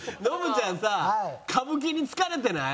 ちゃんさ歌舞伎に疲れてない？